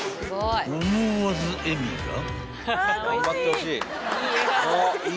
［思わず笑みが］